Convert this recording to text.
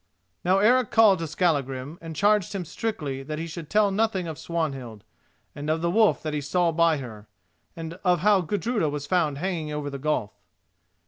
Now Eric called to Skallagrim and charged him strictly that he should tell nothing of Swanhild, and of the wolf that he saw by her, and of how Gudruda was found hanging over the gulf.